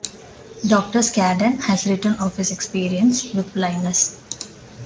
Doctor Scadden has written of his experiences with blindness.